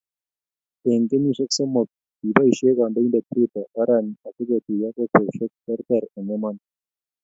Eng kenyisiek somok, kiboishee kandoindet Ruto orani asikotuyo kokwesiek terter eng emoni